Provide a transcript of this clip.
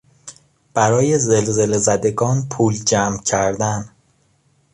برای زلزله زدگان پول جمع کردن